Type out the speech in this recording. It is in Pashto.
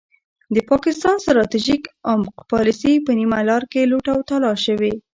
د پاکستان ستراتیژیک عمق پالیسي په نیمه لار کې لوټ او تالا شوې.